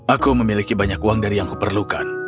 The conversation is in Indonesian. aku memiliki banyak uang dari yang aku perlukan